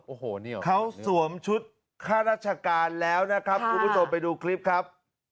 โอ้โหนี่เหรอเค้าสวมชุดข้ารัชการแล้วนะครับค่ะคุณผู้ชมไปดูคลิปครับ